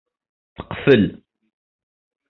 Teqfel.